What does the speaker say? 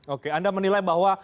oke anda menilai bahwa